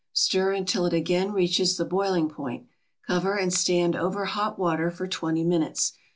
Stir until it again reaches the boiling point, cover and stand over hot water for twenty minutes.